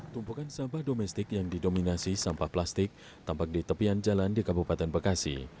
tumpukan sampah domestik yang didominasi sampah plastik tampak di tepian jalan di kabupaten bekasi